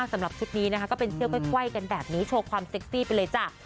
สำหรับชุดนี้นะคะก็เป็นเสื้อใกล้กันแบบนี้โชว์ความเซ็กซี่ไปเลยจ้ะ